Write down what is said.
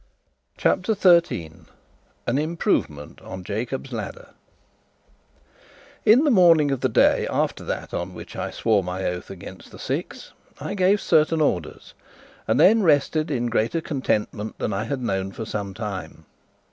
CHAPTER 13 An Improvement on Jacob's Ladder In the morning of the day after that on which I swore my oath against the Six, I gave certain orders, and then rested in greater contentment than I had known for some time.